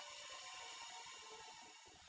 gitu deh udah